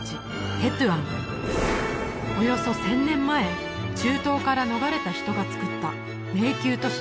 テトゥアンおよそ１０００年前中東から逃れた人がつくった迷宮都市